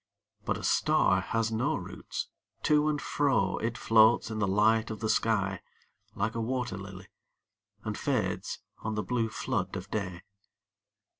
'But a star has no roots : to and fro It floats in the light of the sky, like a wat«r ]ily. And fades on the blue flood of day.